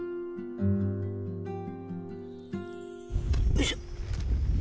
よいしょ。